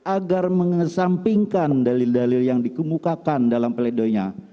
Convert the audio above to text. agar mengesampingkan dalil dalil yang dikemukakan dalam pledoinya